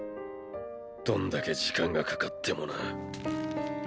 どんだけ時間がかかってもな。